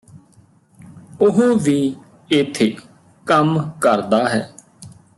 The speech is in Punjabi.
ਉਹ ਵੀ ਇਥੇ ਕੰਮ ਕਰਦਾ ਹੈ